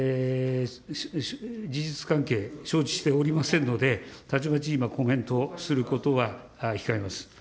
事実関係、承知しておりませんので、たちまち今、コメントすることは控えます。